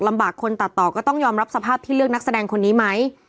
คนตัดต่อก็ต้องยอมรับสภาพที่เลือกนักแสดงคนนี้ไหม